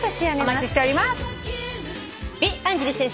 お待ちしております。